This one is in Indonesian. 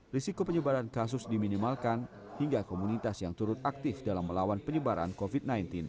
risiko penyebaran kasus diminimalkan hingga komunitas yang turut aktif dalam melawan penyebaran covid sembilan belas